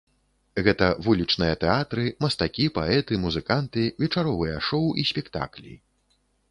Гэта вулічныя тэатры, мастакі, паэты, музыканты, вечаровыя шоў і спектаклі.